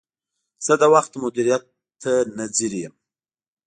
زه د وخت مدیریت ته نه ځیر یم.